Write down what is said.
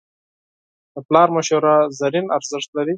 د پلار مشوره زرین ارزښت لري.